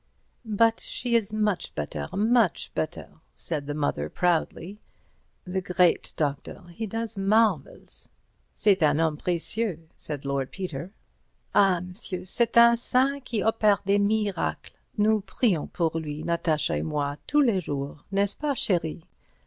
"But she is much better, much better," said the mother, proudly, "the great doctor, he does marvels." "C'est un homme précieux," said Lord Peter. "Ah, monsieur, c'est un saint qui opère des miracles! Nous prions pour lui, Natasha et moi, tous les jours. N'est ce pas, chérie?